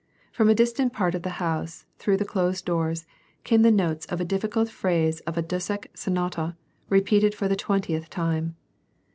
From a distant part of the house, through the closed doors, came the notes of a diffi cult phrase of a Dussek sonata, repeated for the twentieth time.